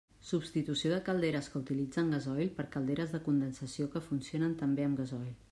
Substitució de calderes que utilitzen gasoil per calderes de condensació que funcionen també amb gasoil.